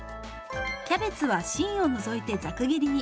キャベツは芯を除いてザク切りに。